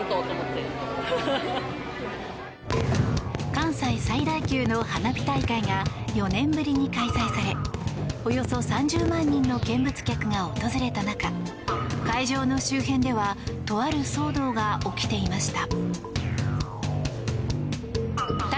関西最大級の花火大会が４年ぶりに開催されおよそ３０万人の見物客が訪れた中会場の周辺ではとある騒動が起きていました。